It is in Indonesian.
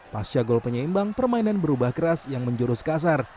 pasca gol penyeimbang permainan berubah keras yang menjurus kasar